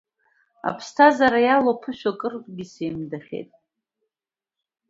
Аԥсҭазаара иалоу ԥышәо, акырқәа сеимдахьеит…